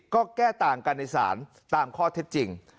ก็แก้ต่างกันในศาลตามข้อเท็จจริง